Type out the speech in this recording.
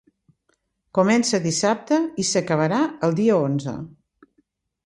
Comença dissabte i s’acabarà el dia onze.